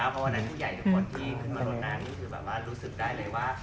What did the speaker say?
ผู้ใหญ่คนที่ขึ้นมาล้อนนามที่รู้สึกได้เลยว่า